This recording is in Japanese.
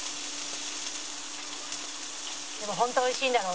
「でもホント美味しいんだろうね」